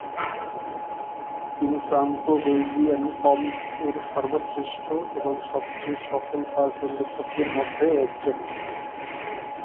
তিনি Franco Belgian comics এর সর্বশ্রেষ্ঠ এবং সবচেয়ে সফল কার্টুন লেখকদের মধ্যে একজন।